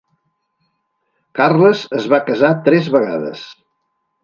Carles es va casar tres vegades.